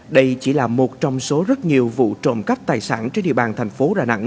đây chỉ là một trong số rất nhiều vụ trộm cắp tài sản trên địa bàn thành phố đà nẵng